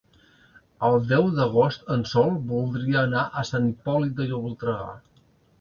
El deu d'agost en Sol voldria anar a Sant Hipòlit de Voltregà.